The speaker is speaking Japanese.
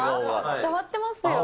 伝わってますよ。